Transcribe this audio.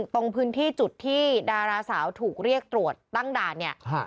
ตรงพื้นที่จุดที่ดาราสาวถูกเรียกตรวจตั้งด่านเนี่ย